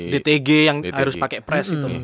dtg yang harus pake press itu